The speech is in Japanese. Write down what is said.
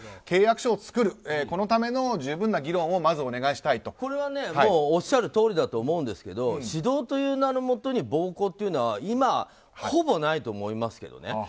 契約書を作るこのための十分な議論をこれはおっしゃるとおりだと思うんですけど指導という名のもとに暴行というのは今、ほぼないと思いますけどね。